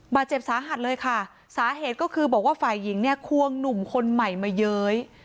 บาดเจ็บสาหัสเลยค่ะสาเหตุก็คือบอกว่าฝ่ายหญิงเนี่ยควงหนุ่มคนใหม่มาเย้ย